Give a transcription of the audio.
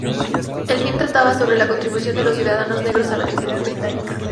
El film trataba sobre la contribución de los ciudadanos negros a la sociedad británica.